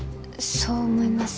そう思います？